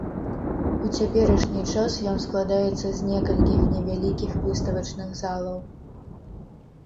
У цяперашні час ён складаецца з некалькіх невялікіх выставачных залаў.